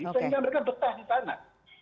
sehingga mereka betah di sana